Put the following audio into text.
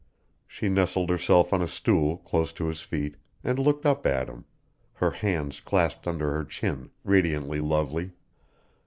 She nestled herself on a stool, close to his feet, and looked up at him, her hands clasped under her chin, radiantly lovely.